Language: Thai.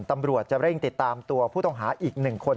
ตำรวจจะเร่งติดตามตัวผู้ต้องหาอีก๑คน